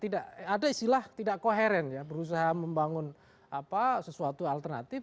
tidak ada istilah tidak koheren ya berusaha membangun sesuatu alternatif